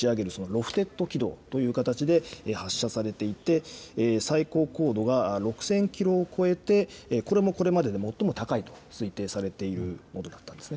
ロフテッド軌道という形で発射されていて最高高度が６０００キロを超えてこれもこれまでで最も高いと推定されるものだったんです